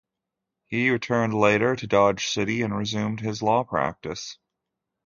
He returned later to Dodge City and resumed his law practice.